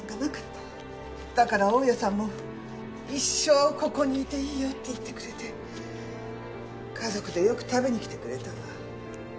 だから大家さんも「一生ここにいていいよ」って言ってくれて家族でよく食べに来てくれたわ。